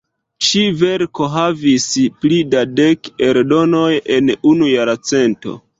Ĉi-verko havis pli da dek eldonoj en unu jarcento.